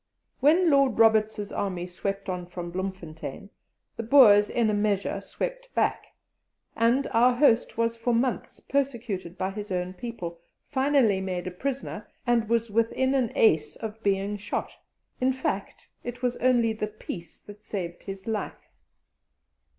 When Lord Roberts's army swept on from Bloemfontein, the Boers in a measure swept back, and our host was for months persecuted by his own people, finally made a prisoner, and was within an ace of being shot; in fact, it was only the peace that saved his life.